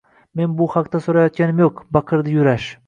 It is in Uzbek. Men bu haqda soʻrayotganim yoʻq! – baqirdi Yurash.